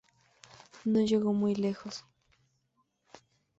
No llegó muy lejos.